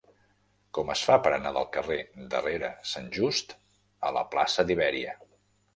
Com es fa per anar del carrer de Rere Sant Just a la plaça d'Ibèria?